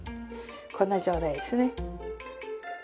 こんな状態ですね。